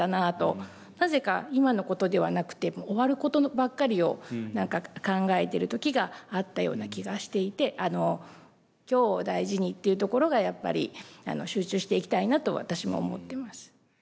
なぜか今のことではなくて終わることばっかりを考えてる時があったような気がしていて今日を大事にっていうところがやっぱり集中していきたいなと私も思ってます。